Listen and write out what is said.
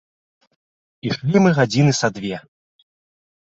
Ішлі мы гадзіны са дзве.